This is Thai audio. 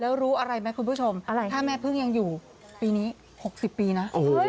แล้วรู้อะไรไหมคุณผู้ชมถ้าแม่พึ่งยังอยู่ปีนี้๖๐ปีนะ